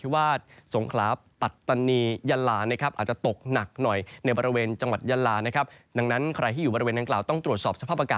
เวลาที่จะออก